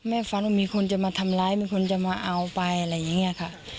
ฝันว่ามีคนจะมาทำร้ายมีคนจะมาเอาไปอะไรอย่างนี้ค่ะ